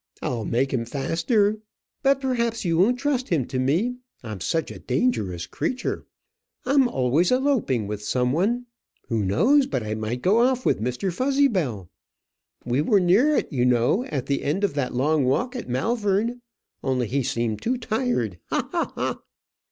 I'll make him faster. But perhaps you won't trust him to me, I'm such a dangerous creature. I'm always eloping with some one. Who knows but I might go off with Mr. Fuzzybell? We were near it you know at the end of that long walk at Malvern only he seemed too tired ha! ha! ha!